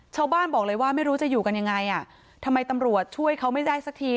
ชาวบ้านบอกเลยว่าไม่รู้จะอยู่กันยังไงอ่ะทำไมตำรวจช่วยเขาไม่ได้สักที